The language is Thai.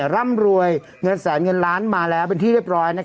ร่ำรวยเงินแสนเงินล้านมาแล้วเป็นที่เรียบร้อย